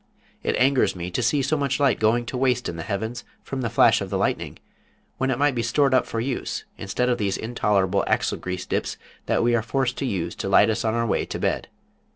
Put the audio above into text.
It angers me to see so much light going to waste in the heavens from the flash of the lightning, when it might be stored up for use instead of these intolerable axle grease dips that we are forced to use to light us on our way to bed.